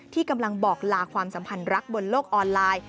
ที่กำลังบอกลาความสัมพันธ์รักบนโลกออนไลน์